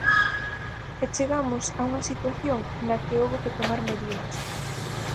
E chegamos a unha situación na que houbo que tomar medidas.